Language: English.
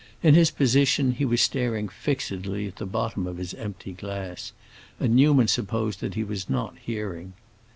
In his position he was staring fixedly at the bottom of his empty glass, and Newman supposed he was not hearing.